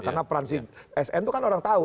karena peran sn itu orang tahu